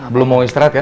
belum mau istirahat kan